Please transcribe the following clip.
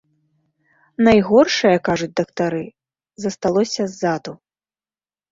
Найгоршае, кажуць дактары, засталося ззаду.